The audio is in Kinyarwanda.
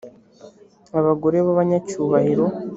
abagore b abanyacyubahiro